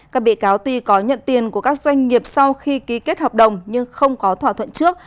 các bị cáo tuy có nhận tiền của các doanh nghiệp sau khi ký kết hợp đồng nhưng không có thỏa thuận trước